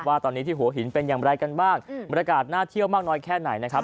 ว่าตอนนี้ที่หัวหินเป็นอย่างไรกันบ้างบรรยากาศน่าเที่ยวมากน้อยแค่ไหนนะครับ